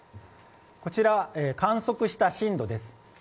こちら、観測した震度です。